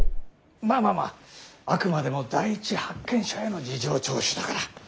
まあまあまああくまでも第一発見者への事情聴取だから。